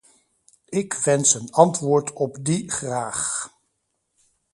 Ik wens een antwoord op die graag.